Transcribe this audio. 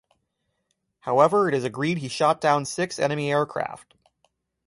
However it is agreed he shot down six enemy aircraft.